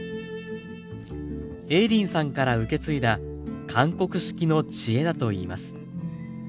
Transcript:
映林さんから受け継いだ韓国式の知恵だといいます。